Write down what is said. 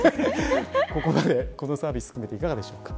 ここまで、このサービス含めていかがでしょうか。